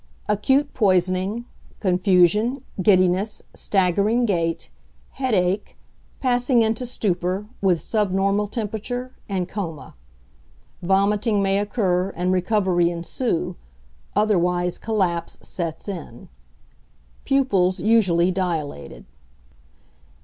_ Acute poisoning; confusion, giddiness, staggering gait, headache, passing into stupor, with subnormal temperature, and coma. Vomiting may occur and recovery ensue, otherwise collapse sets in. Pupils usually dilated.